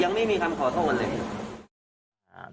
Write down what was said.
ยังไม่มีคำขอโทษเลย